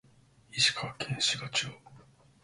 石川県志賀町